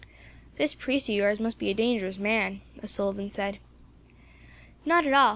"This priest of yours must be a dangerous man," O'Sullivan said. "Not at all.